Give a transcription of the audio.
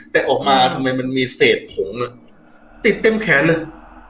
แต่ออกมาทำไมมันมีเศษผงติดเต็มแขนเลย